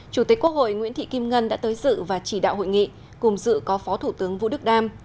chủ tịch quốc hội nguyễn thị kim ngân đã tới dự và chỉ đạo hội nghị cùng dự có phó thủ tướng vũ đức đam